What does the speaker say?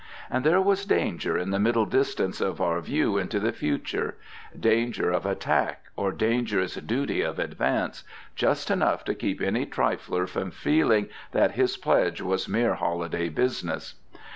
And there was danger in the middle distance of our view into the future, danger of attack, or dangerous duty of advance, just enough to keep any trifler from feeling that his pledge was mere holiday business.